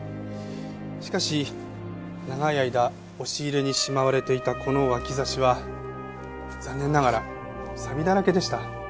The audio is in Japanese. しかし長い間押し入れにしまわれていたこの脇差しは残念ながらさびだらけでした。